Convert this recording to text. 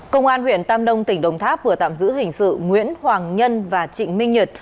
công an huyện tam nông tỉnh đồng tháp vừa tạm giữ hình sự nguyễn hoàng nhân và trịnh minh nhật